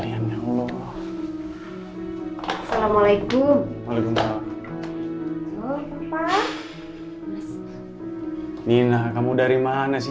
ya sebelum kamu tiba tiba akan sini